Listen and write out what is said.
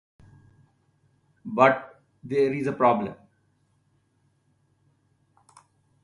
But there is a problem.